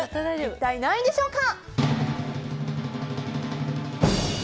一体何位でしょうか。